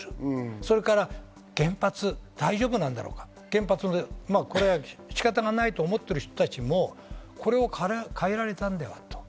それから原発は大丈夫なのかとか仕方がないと思っている人たちも、これを変えられたんではと。